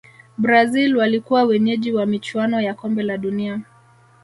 brazil walikuwa wenyeji wa michuano ya kombe la dunia